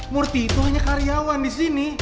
murti itu hanya karyawan di sini